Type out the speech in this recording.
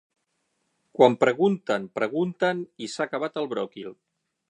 Quan pregunten, pregunten, i s'ha acabat el bròquil.